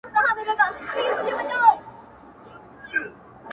زړه مي له رباب سره ياري کوي~